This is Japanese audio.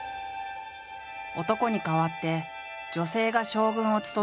男に代わって女性が将軍を務める世界を描く。